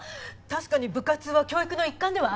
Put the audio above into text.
確かに部活は教育の一環ではありますけど。